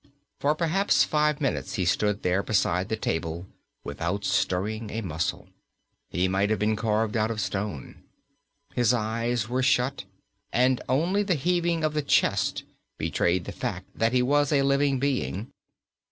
For perhaps five minutes he stood there beside the table without stirring a muscle. He might have been carved out of stone. His eyes were shut, and only the heaving of the chest betrayed the fact that he was a living being.